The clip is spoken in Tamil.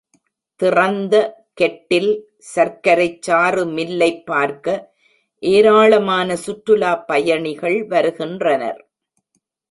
திறந்த கெட்டில் சர்க்கரைச்சாறு மில்லைப் பார்க்க ஏராளமான சுற்றுலாப் பயணிகள் வருகின்றனர்.